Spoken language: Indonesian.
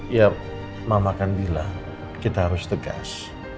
ya mama kan bilang kita harus tegas